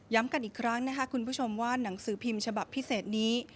กันอีกครั้งนะคะคุณผู้ชมว่าหนังสือพิมพ์ฉบับพิเศษนี้